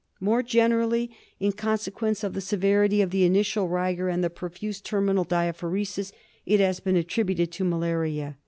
More generally, in consequence of the severity of the initial rigor and the profuse terminal diaphoresis, it has been attributed to malaria.